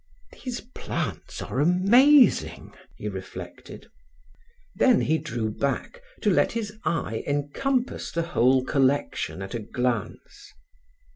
"These plants are amazing," he reflected. Then he drew back to let his eye encompass the whole collection at a glance.